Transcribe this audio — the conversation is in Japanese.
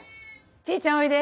チーちゃんおいで。